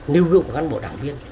nêu gương của cán bộ đảng viên